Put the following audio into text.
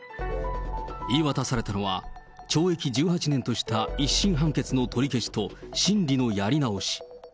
言い渡されたのは、懲役１８年とした１審判決の取り消しと、審理のやり直し。